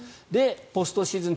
ポストシーズン